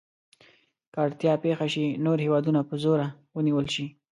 که اړتیا پېښه شي نور هېوادونه په زوره ونیول شي.